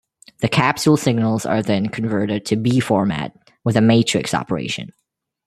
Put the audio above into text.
The capsule signals are then converted to B-format with a matrix operation.